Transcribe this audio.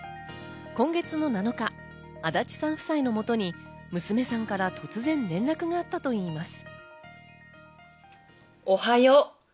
今月の７日、足立さん夫妻のもとに娘さんから突然連絡があったといいます。